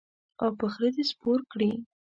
او په خره دې سپور کړي.